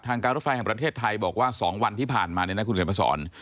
ทางการรถไฟของประเทศไทยบอกว่า๒วันที่ผ่านมาในนักคุณแข่งประสอน